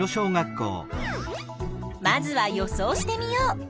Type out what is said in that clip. まずは予想してみよう。